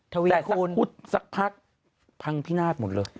ทวีคุณแต่สักพักพังพินาศหมดเลย